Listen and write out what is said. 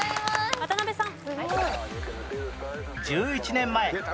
渡辺さん。